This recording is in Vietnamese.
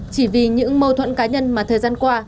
chỉ vì những mâu thuẫn cá nhân mà thời gian qua